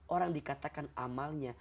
orang dikatakan amalnya